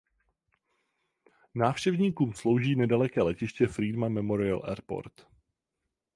Návštěvníkům slouží nedaleké letiště Friedman Memorial Airport.